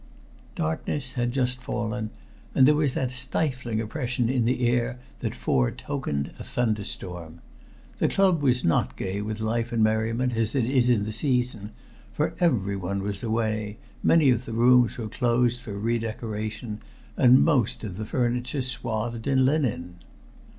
Darkness had just fallen, and there was that stifling oppression in the air that fore tokened a thunderstorm. The club was not gay with life and merriment as it is in the season, for everyone was away, many of the rooms were closed for re decoration, and most of the furniture swathed in linen.